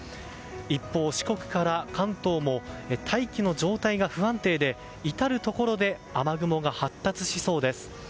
一方、四国から関東も大気の状態が不安定で至るところで雨雲が発達しそうです。